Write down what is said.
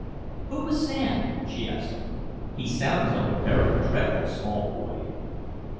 "Who was Sam?" she asked me. "He sounds like a very dreadful small boy."